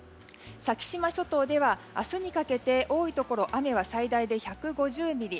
先島諸島では明日にかけて多いところ雨は最大で１５０ミリ。